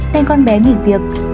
nên con bé nghỉ việc